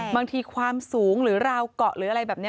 ความสูงหรือราวเกาะหรืออะไรแบบนี้